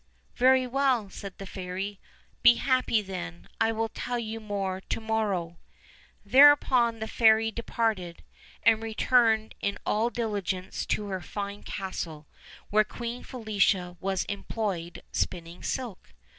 "Very well," said the fairy, "be happy then; I will tell you more to morrow." Thereupon the fairy departed, and returned in all dili gence to her fine castle, where Queen Felicia was em ployed spinning silk.